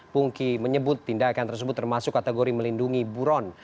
pungki menyebut tindakan tersebut termasuk kategori melindungi buron